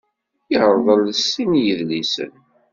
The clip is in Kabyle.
Yerḍel sin n yedlisen.